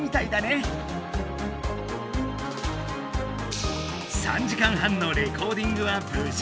３時間半のレコーディングはぶじ終了！